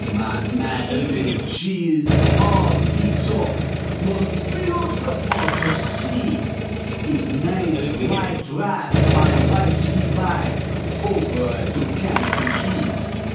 Ma Madeline she is all feex op, Mos' beautiful to see, In nice w'ite drass, my wife he buy Overe to Kankakee.